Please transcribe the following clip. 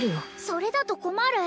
それだと困る！